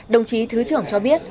đồng chí thứ trưởng cho biết